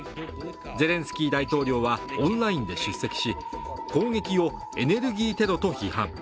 ゼレンスキー大統領はオンラインで出席し、攻撃をエネルギーテロと批判。